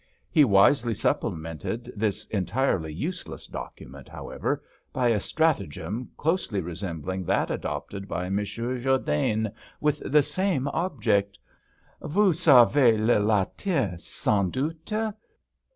He wisely supplemented this entirely useless document, however, by a stratagem closely resembling that adopted by Monsieur Jourdain, with the same object: " Vous savez le latin sans doute